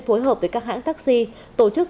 phối hợp với các hãng taxi tổ chức